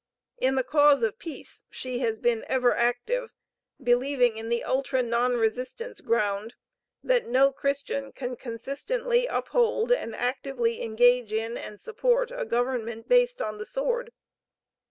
In the cause of Peace she has been ever active, believing in the "ultra non resistance ground, that no Christian can consistently uphold and actively engage in and support a government based on the sword."